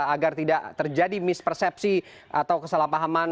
agar tidak terjadi mispersepsi atau kesalahpahaman